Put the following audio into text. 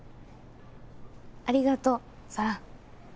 ありがとう四朗。